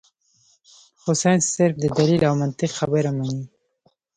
خو سائنس صرف د دليل او منطق خبره مني -